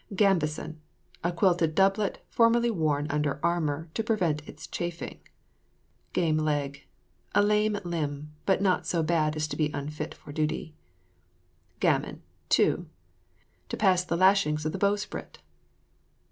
GAMBISON. A quilted doublet formerly worn under armour, to prevent its chafing. GAME LEG. A lame limb, but not so bad as to unfit for duty. GAMMON, TO. To pass the lashings of the bowsprit.